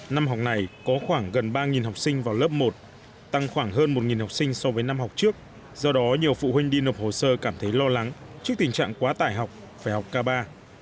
năm học này có khoảng gần ba học sinh vào lớp một tăng khoảng hơn một học sinh so với năm học trước do đó nhiều phụ huynh đi nộp hồ sơ cảm thấy lo lắng trước tình trạng quá tải học phải học ca ba